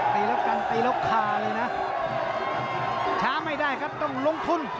ตีแล้วกันตีแล้วคาเลยนะช้าไม่ได้ครับต้องลงทุน